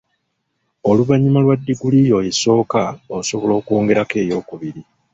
Oluvannyuma lwa diguli yo esooka, osobola okwongerako ey'okubiri.